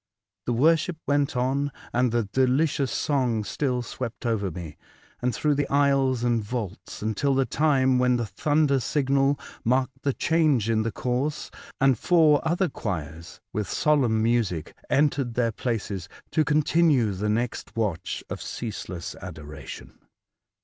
The worship went on, and the delicious song still swept over me, and through the aisles and vaults, until the time when the thunder signal marked the change in the course, and four other choirs, with solemn music, entered their places to continue the next watch of ceaseless adoration.